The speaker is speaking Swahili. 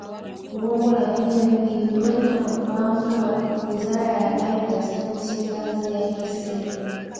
uongo Lakini wengi wetu wanafahamu kuwa wizara ya habari katika nchi kazi yake siyo